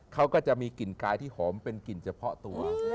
เขาก็จะมีกลิ่นกายที่หอมเป็นกลิ่นเฉพาะตัว